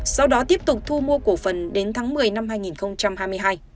sau đó tiếp tục thu mua cổ phần đến tháng một mươi năm hai nghìn hai mươi hai